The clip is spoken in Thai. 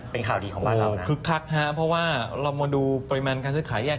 เป็นข่าวดีของบ้านเราคึกคักฮะเพราะว่าเรามาดูปริมาณการซื้อขายแยก